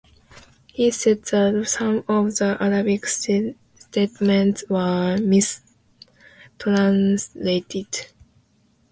He said that some of the Arabic statements were mistranslated.